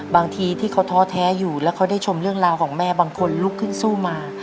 บางทีที่เขาท้อแท้อยู่แล้วเขาได้ชมเรื่องราวของแม่บางคนลุกขึ้นสู้มา